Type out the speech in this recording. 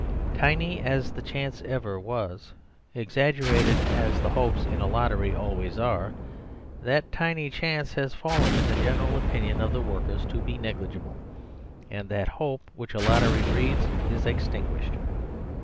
Tiny as the chance ever was, exag gerated as the hopes in a lottery always are, that tiny chance has fallen in the general opinion of the workers to be negligible, and that hope which a lottery breeds is extinguished.